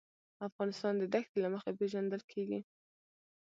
افغانستان د دښتې له مخې پېژندل کېږي.